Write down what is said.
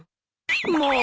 もう！